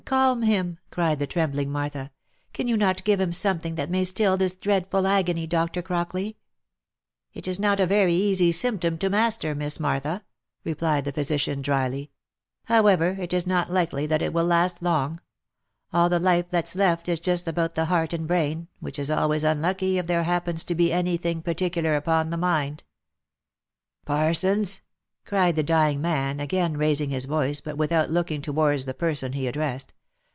calm him !" cried the trembling Martha. " Can you not give him something that may still this dreadful agony, Doctor Crockley?" " It is not a very easy symptom to master, Miss Martha," replied the physician drily. " However, it is not likely that it will last long. All the life that's left is just about the heart and brain, which is always unlucky if there happens to be any thing particular upon the mind." " Parsons !" cried the dying man, again raising his voice, but with out looking towards the person he addressed.